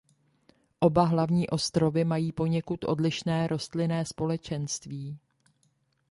Oba hlavní ostrovy mají poněkud odlišné rostlinné společenství.